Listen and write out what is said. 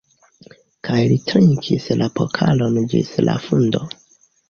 Kaj li trinkis la pokalon ĝis la fundo.